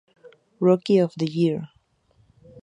Rookie Of The Year